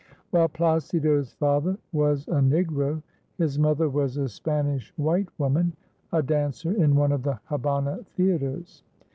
While Plácido's father was a Negro, his mother was a Spanish white woman, a dancer in one of the Habana theatres.